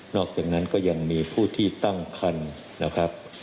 อกจากนั้นก็ยังมีผู้ที่ตั้งคันนะครับ